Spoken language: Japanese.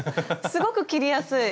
すごく切りやすい！